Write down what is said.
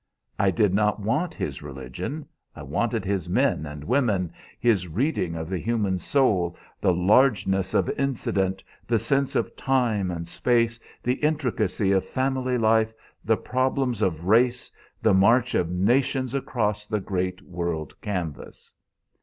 I did not want his religion. I wanted his men and women, his reading of the human soul, the largeness of incident, the sense of time and space, the intricacy of family life, the problems of race, the march of nations across the great world canvas.